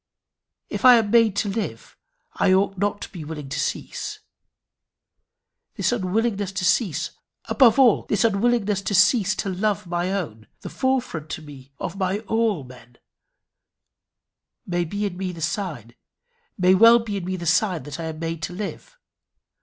If I am made to live I ought not to be willing to cease. This unwillingness to cease above all, this unwillingness to cease to love my own, the fore front to me of my all men may be in me the sign, may well be in me the sign that I am made to live.